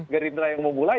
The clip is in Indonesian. gerindra yang memulai